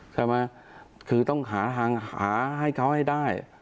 ใช่ไหมคือต้องหาทางหาให้เขาให้ได้